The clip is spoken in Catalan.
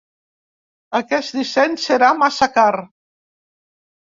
Aquest disseny serà massa car.